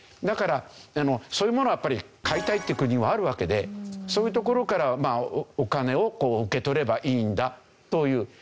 だからそういうものはやっぱり買いたいっていう国はあるわけでそういうところからお金を受け取ればいいんだという。